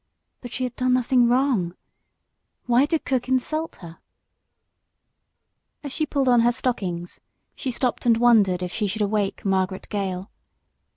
But she had done nothing wrong. Why did cook insult her? As she pulled on her stockings she stopped and wondered if she should awake Margaret Gale.